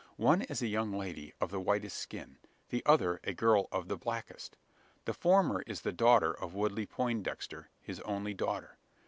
One is a young lady of the whitest skin; the other a girl of the blackest. The former is the daughter of Woodley Poindexter his only daughter.